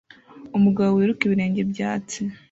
Umugabo wiruka ibirenge byatsi